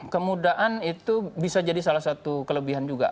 kemudahan itu bisa jadi salah satu kelebihan juga